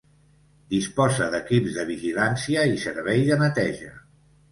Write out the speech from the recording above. Disposa d'equips de vigilància i servei de neteja.